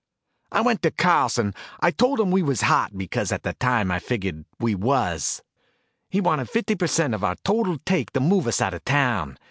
"I went to Carlson. I told him we was hot, because at the time I figured we was. He wanted fifty per cent of our total take to move us out of town.